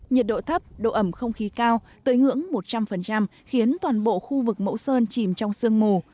nhiệt độ thấp độ ẩm không khí cao tới ngưỡng một trăm linh khiến toàn bộ khu vực mẫu sơn chìm trong sương mù